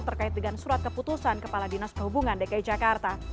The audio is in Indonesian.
terkait dengan surat keputusan kepala dinas perhubungan dki jakarta